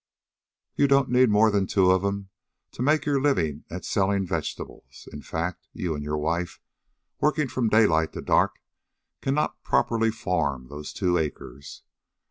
You don't need more than two of them to make your living at selling vegetables. In fact, you and your wife, working from daylight to dark, cannot properly farm those two acres.